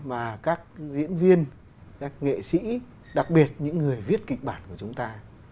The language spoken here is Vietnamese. mà các diễn viên các nghệ sĩ đặc biệt những người viết kịch bản của chúng ta